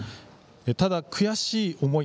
ただ、悔しい思い